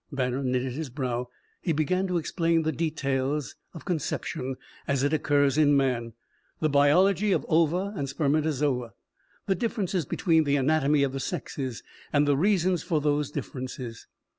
Banner knitted his brow. He began to explain the details of conception as it occurs in man the biology of ova and spermatazoa, the differences between the anatomy of the sexes, and the reasons for those differences.